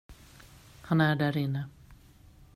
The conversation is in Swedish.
Han är där inne.